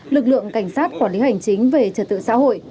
lực lượng cảnh sát quản lý hành chính về trật tự xã hội